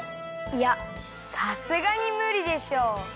いやさすがにむりでしょ。